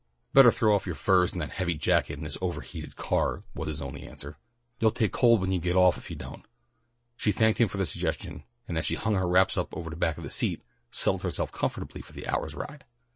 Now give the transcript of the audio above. "Better throw off your furs and that heavy jacket in this over heated car," was his only answer. "You'll take cold when you get off if you don't." She thanked him for the suggestion, and, as he hung her wraps over the back of the seat, settled herself comfortably for the hour's ride.